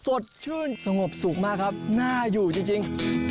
สดชื่นสงบสุขมากครับน่าอยู่จริง